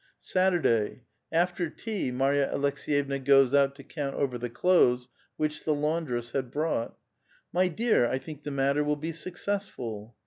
Saturday. — After tea, Marya Aleks^yevna goes out to count over the clothes which the laundress had brought. " My dear, I think the matter will be successful."